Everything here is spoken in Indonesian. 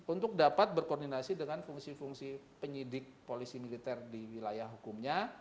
untuk dapat berkoordinasi dengan fungsi fungsi penyidik polisi militer di wilayah hukumnya